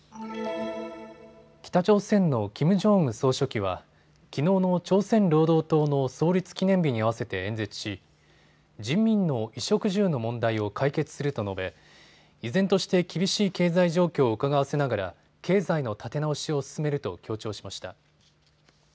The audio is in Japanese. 北朝鮮のキム・ジョンウン総書記はきのうの朝鮮労働党の創立記念日に合わせて演説し人民の衣食住の問題を解決すると述べ依然として厳しい経済状況をうかがわせながら経済の立て直しを進めると強調しました。